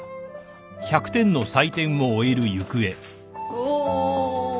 お。